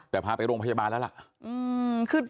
แต่พาไปโรงพยาบาลแล้วล่ะ